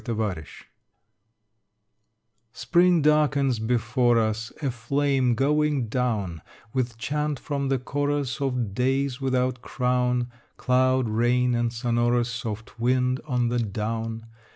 XXVIII Spring darkens before us, A flame going down, With chant from the chorus Of days without crown Cloud, rain, and sonorous Soft wind on the down.